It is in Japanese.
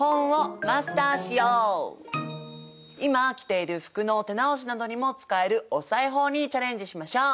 今着ている服の手直しなどにも使えるお裁縫にチャレンジしましょう！